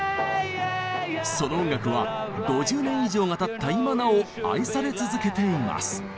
その音楽は５０年以上がたった今なお愛され続けています。